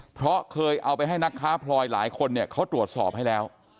เพราะเคยเอาไปให้นักค้าพลอยหลายคนเนี่ยเขาตรวจสอบให้แล้ว